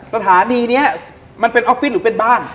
สถานีนี้มันเป็นออฟฟิศหรือเป็นบ้าน